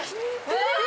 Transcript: えっ！？